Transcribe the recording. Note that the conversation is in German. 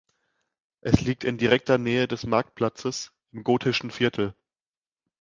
Es liegt in direkter Nähe des Marktplatzes im „gotischen Viertel“.